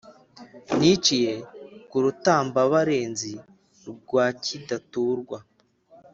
Niciye ku Rutambabarenzi rwa Kidaturwa